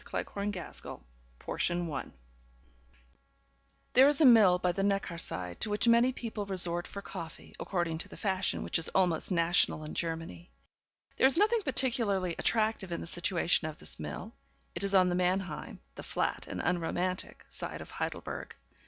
THE GREY WOMAN Portion 1 There is a mill by the Neckar side, to which many people resort for coffee, according to the fashion which is almost national in Germany. There is nothing particularly attractive in the situation of this mill; it is on the Mannheim (the flat and unromantic) side of Heidelberg.